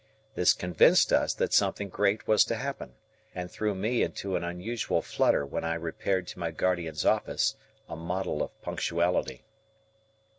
This convinced us that something great was to happen, and threw me into an unusual flutter when I repaired to my guardian's office, a model of punctuality.